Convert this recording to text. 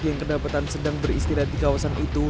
yang kedapatan sedang beristirahat di kawasan itu